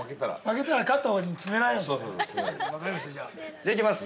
◆じゃあ、いきます。